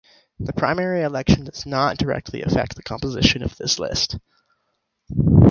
The primary election does not directly affect the composition of this list.